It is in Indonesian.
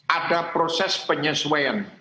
ada proses penyesuaian